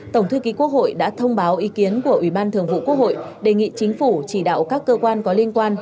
tổng thư ký quốc hội đã thông báo ý kiến của ủy ban thường vụ quốc hội đề nghị chính phủ chỉ đạo các cơ quan có liên quan